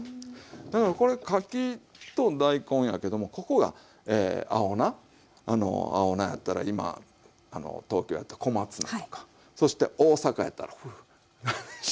なのでこれかきと大根やけどもここが青菜あの青菜やったら今東京やったら小松菜とかそして大阪やったらフフ。